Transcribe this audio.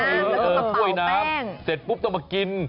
เออถ้วยน้ำเสร็จปุ๊บต้องมากิน